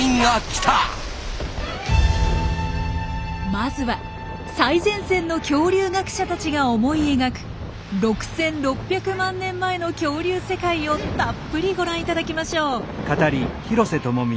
まずは最前線の恐竜学者たちが思い描く６６００万年前の恐竜世界をたっぷりご覧いただきましょう。